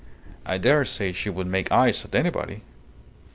I dare say she would make eyes at anybody."